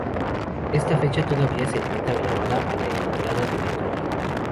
Esta fecha todavía se encuentra grabada a la entrada de la torre.